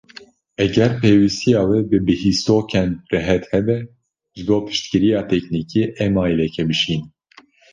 Eger pêwîstiya we bi bihîstokên rihet hebe, ji bo piştgiriya teknîkî emailekî bişînin.